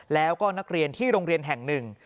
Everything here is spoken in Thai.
แล้วก็นักเรียนที่โรงเรียนแห่งหนึ่ง